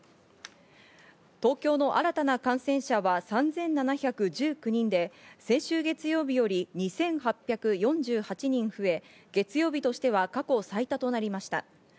東京の新たな感染者は３７１９人で、先週月曜日より２８４８人増え、月曜日としては過去最多となりました。